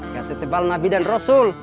gak setebal nabi dan rasul